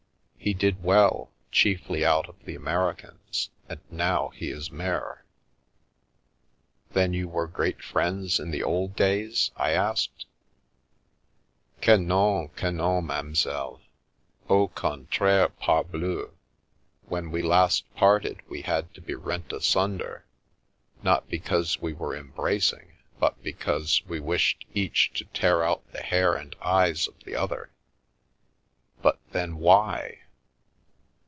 He did well, chiefly out of the Americans, and now he is mayor." 44 Then you were great friends in the old days?" I asked. 44 Que non, que non, m'amzelle 1 Au contraire, par bleu ! When we last parted we had to be rent asunder, not because we were embracing, but because we wished each to tear out the hair and eyes of the other." 44 Hut then, why